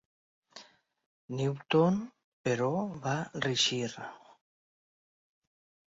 Newton, però, va reeixir-ne.